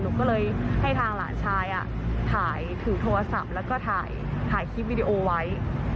หนูก็เลยให้ทางหลานชายถ่ายถือโทรศัพท์แล้วก็ถ่ายคลิปวิดีโอไว้